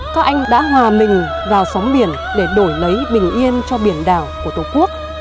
các anh đã hòa mình vào sóng biển để đổi lấy bình yên cho biển đảo của tổ quốc